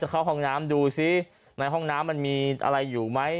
เข้าห้องน้ำดูซิในห้องน้ำมันมีอะไรอยู่ไหม